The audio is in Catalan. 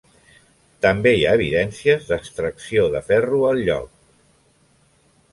També hi ha evidències d'extracció de ferro al lloc.